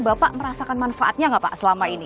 bapak merasakan manfaatnya nggak pak selama ini